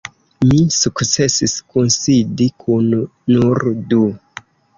Mi sukcesis kunsidi kun nur du.